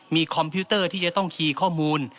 มีคอมพิวเตอร์ที่จะต้องคีย์ข้อมูล